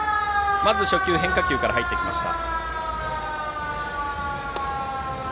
まず初球、変化球から入ってきました。